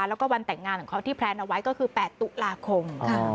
แล้วก็วันแต่งงานของเขาที่แพลนเอาไว้ก็คือ๘ตุลาคม